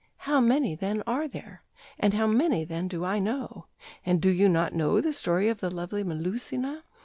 How many, then, are there? And how many, then, do I know? And do you not know the story of the lovely Melusina?...